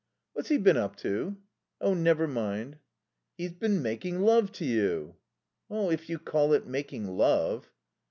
"What's he been up to?" "Oh, never mind." "He's been making love to you." "If you call it making love."